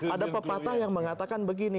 ada pepatah yang mengatakan begini